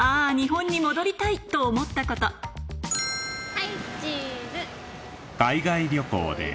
はいチーズ。